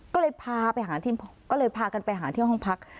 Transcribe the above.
ก็เลยพากันไปหาที่ห้องพัก